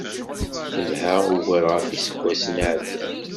Telḥa ugar ɣef yiseggasen iεeddan.